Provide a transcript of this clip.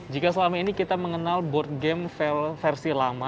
jika selama ini kita mengenal board game versi lama